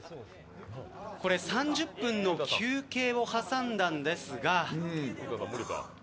これ３０分の休憩を挟んだんですが。